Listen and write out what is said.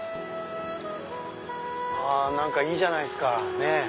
何かいいじゃないっすか。